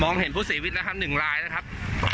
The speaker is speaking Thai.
มองเห็นผู้เสียชีวิตนะครับหนึ่งลายนะครับ